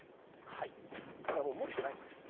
だからもう持っていないんです。